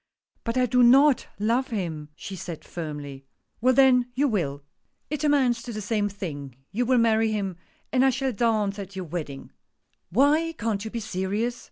" But I do not love him," she said firmly. "Well then, you will. It amounts to the same THE PORTRAIT. 127 thing, 3^ou will marry him, and I shall dance at your wedding !" "Why can't you be serious?"